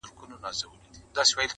څه موده پس د قاضي معاش دوه چند سو,